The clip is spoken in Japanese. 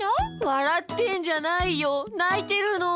わらってんじゃないよないてるの！